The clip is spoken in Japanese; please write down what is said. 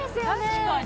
確かに。